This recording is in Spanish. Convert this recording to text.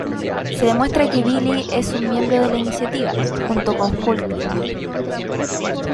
Se demuestra que Billy que es un miembro de la Iniciativa, junto con Hulkling.